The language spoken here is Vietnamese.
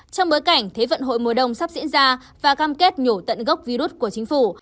trong bối cảnh thế vận hội mùa đông sắp diễn ra và cam kết nhổ tận gốc virus của chính phủ